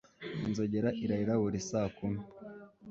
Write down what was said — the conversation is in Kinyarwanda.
inzogera irarira buri saa kumi